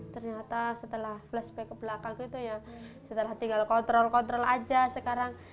ternyata setelah flashback ke belakang gitu ya setelah tinggal kontrol kontrol aja sekarang